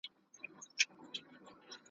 نور د سوال لپاره نه ځو په اسمان اعتبار نسته `